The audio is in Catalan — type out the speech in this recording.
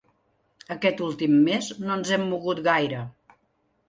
Aquest últim mes no ens hem mogut gaire.